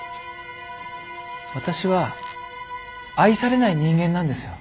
私は愛されない人間なんですよ。